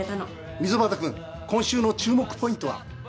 溝畑君、今週の注目ポイントは？